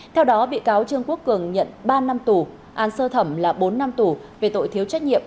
theo đó bị cáo trương quốc cường nhận ba năm tù án sơ thẩm là bốn năm tù về tội thiếu trách nhiệm